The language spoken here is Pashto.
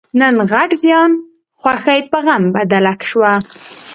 نن غټ زیان؛ خوښي په غم بدله شوه.